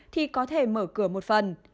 thì có thể mở cửa một phần